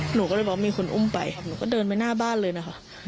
หนูก็เลยบอกมีคนอุ้มไปหนูก็เดินไปหน้าบ้านเลยนะคะ